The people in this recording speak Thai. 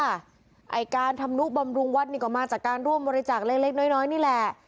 ไอ้การทำนุบำรุงวัดนี่ก็มาจากการร่วมบริจาคเล็กน้อยนี่แหละ